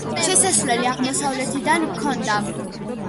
შესასვლელი აღმოსავლეთიდან ჰქონდა.